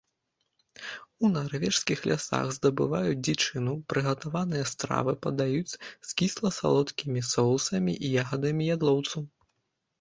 У нарвежскіх лясах здабываюць дзічыну, прыгатаваныя стравы падаюць з кісла-салодкімі соусамі і ягадамі ядлоўцу.